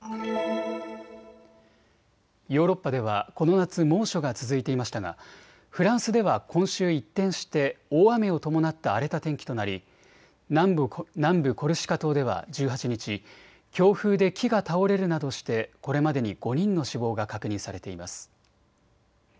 ヨーロッパではこの夏猛暑が続いていましたがフランスでは今週、一転して大雨を伴った荒れた天気となり南部コルシカ島では１８日、強風で木が倒れるなどしてこれまでに５人の死亡が確認されています。